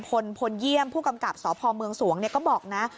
พลพลเยี่ยมผู้กำกับสพเมืองสวงก็บอกนะ